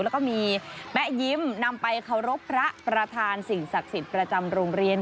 แล้วก็มีแป๊ะยิ้มนำไปเคารพรประทานสินศักดิ์สินประจำโรงเรียน